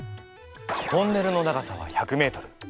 トンネルの長さは１００ｍ。